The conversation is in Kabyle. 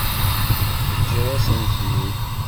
Teǧǧiḍ-asen-ten-id.